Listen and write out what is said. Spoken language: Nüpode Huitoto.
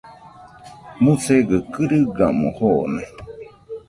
Musegɨ kɨrigamo jone.